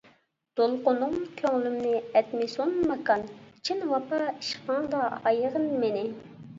دولقۇنۇڭ كۆڭلۈمنى ئەتمىسۇن ماكان، چىن ۋاپا ئىشقىڭدا ئايىغىن مېنى.